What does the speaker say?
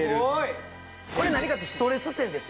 これ何かというとストレス線です